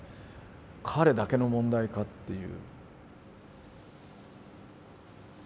彼だけの問題か？っていう。